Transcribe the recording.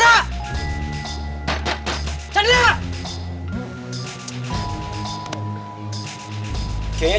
kayaknya chandra gak ada bang